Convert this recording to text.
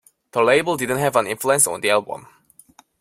The label didn't have an influence on the album.